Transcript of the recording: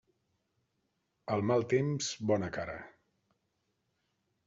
Al mal temps, bona cara.